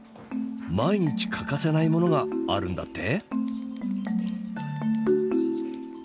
毎日欠かせないものがあるんだって？